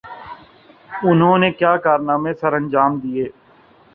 انہوں نے کیا کارنامے سرانجام دئیے؟